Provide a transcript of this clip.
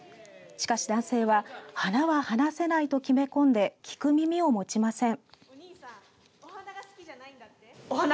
しかし男性は、花は話せないと決め込んで聞く耳を持ちません。